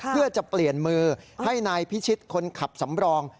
เพื่อจะเปลี่ยนมือให้นายพิชิตคนขับสำรอง